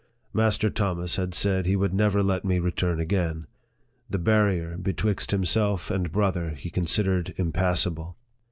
Master Thomas had said he would never let me return again. The barrier betwixt himself and brother he considered impassable.